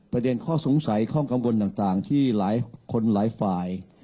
ประเด็นข้อสงสัยข้อกังวลต่างที่หลายคนหลายฝ่าย